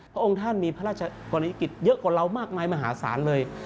พระองค์ท่านมีพระราชกรณีกิจเยอะกว่าเรามากมายมหาศาลเลย